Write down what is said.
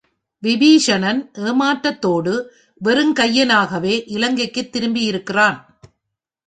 விபீஷணன் ஏமாற்றத்தோடு, வெறுங்கையனாகவே இலங்கைக்குத் திரும்பியிருக்கிறான்.